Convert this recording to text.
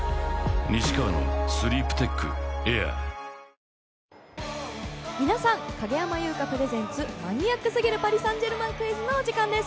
ここで前半が皆さん影山優佳プレゼンツ、マニアック過ぎるパリ・サンジェルマンクイズの時間です。